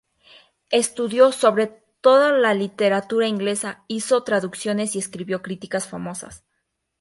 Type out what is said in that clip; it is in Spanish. Estudió sobre todo la literatura inglesa, hizo traducciones y escribió críticas famosas.